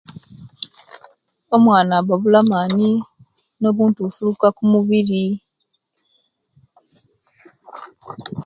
Omwana aba abula amani nobuntubufukuka kumubiri